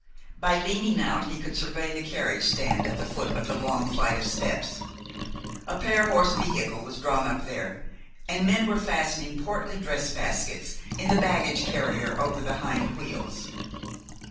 By leaning out he could survey the carriage stand at the foot of the long flight of steps. A pair horse vehicle was drawn up there, and men were fastening portly dress baskets in the baggage carrier over the hind wheels.